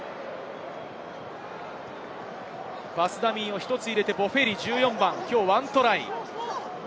パスダミーを１つ入れてボフェリ、今日ワントライ。